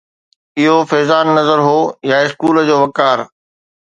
اهو فيضان نظر هو يا اسڪول جو وقار